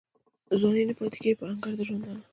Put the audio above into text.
ځواني نه پاته کیږي پر انګړ د ژوندانه